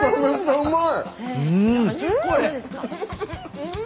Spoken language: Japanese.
うまい！